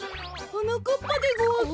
はなかっぱでごわす。